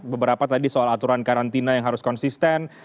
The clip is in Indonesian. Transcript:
beberapa tadi soal aturan karantina yang harus konsisten